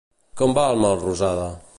Com va el Melrosada?